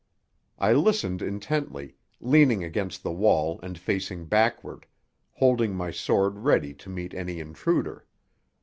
I listened intently, leaning against the wall and facing backward, holding my sword ready to meet any intruder.